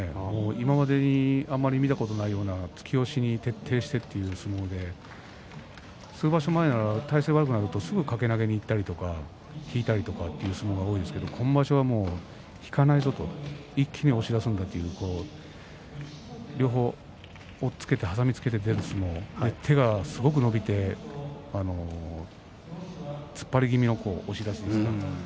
今場所あまり見たことないような突き押しに徹底して数場所前は体勢が悪くなるとすぐに掛け投げにいったり引いたりする相撲が多かったんですけれども今場所は引かないぞと一気に押し出すんだと両方押っつけて挟みつけて出る相撲手がすごく伸びて突っ張り気味の押し出しですか。